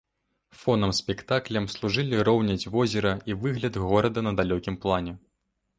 Фонам спектаклям служылі роўнядзь возера і выгляд горада на далёкім плане.